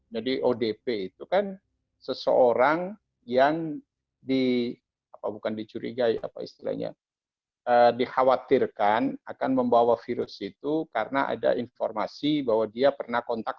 jadi odp itu kan seseorang yang dihawatirkan akan membawa virus itu karena ada informasi bahwa dia pernah kontak